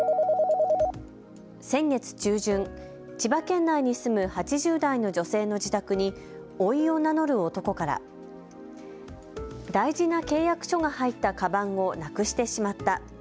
先月中旬、千葉県内に住む８０代の女性の自宅においを名乗る男から大事な契約書が入ったかばんをなくしてしまった。